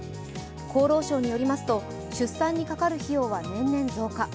厚労省によりますと、出産にかかる費用は年々増加。